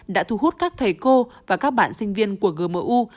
đã thu hút các thầy cô và các bạn sinh viên của gmu